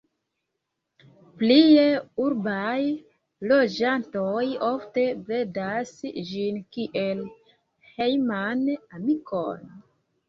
Plie urbaj loĝantoj ofte bredas ĝin kiel hejman amikon.